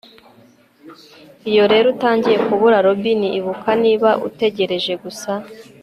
iyo rero utangiye kubura robin, ibuka niba utegereje gusa